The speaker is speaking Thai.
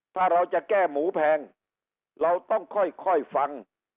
ถ้าเราจะแก้หมูแพงเราต้องค่อยฟัง